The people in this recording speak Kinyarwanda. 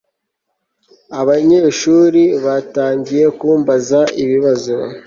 abanyeshuri batangiye kumbaza ibibazo